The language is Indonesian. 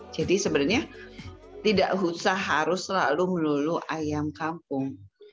jadi sebenarnya tidak usah harus selalu melulu ayam kampung